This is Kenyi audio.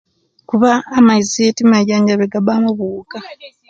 Kuba amaizi timaijanjabye gabamu obuwuka